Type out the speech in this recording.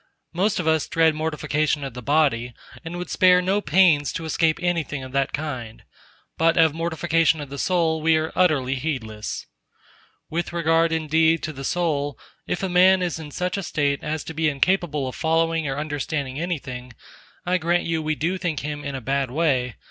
Most of us dread mortification of the body, and would spare no pains to escape anything of that kind. But of mortification of the soul we are utterly heedless. With regard, indeed, to the soul, if a man is in such a state as to be incapable of following or understanding anything, I grant you we do think him in a bad way.